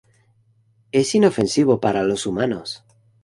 Es inofensivo para los humanos.